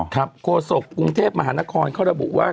ครับโกศกกรุงเทพมหานครเขาบอกว่า